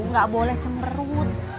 nggak boleh cemerut